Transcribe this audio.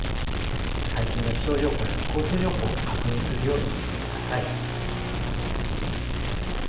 最新の気象情報や交通情報を確認するようにしてください。